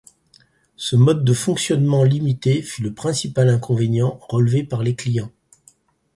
Ce mode de fonctionnement limité fut le principal inconvénient relevé par les clients.